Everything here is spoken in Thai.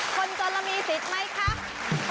คนก็ละมีสิทธิ์ไหมคะ